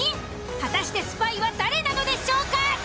果たしてスパイは誰なのでしょうか？